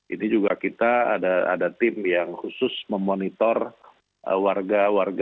ini juga kita ada tim yang khusus memonitor warga warga